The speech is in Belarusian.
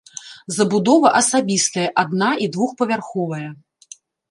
Забудова асабістая адна- і двухпавярховая.